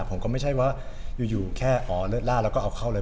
ผมก็ไม่ใช่ว่าอยู่แค่อ๋อเลิศล่าแล้วก็เอาเข้าเลย